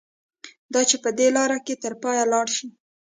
دا چې په دې لاره کې تر پایه لاړ شي.